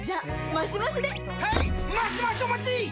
マシマシお待ちっ！！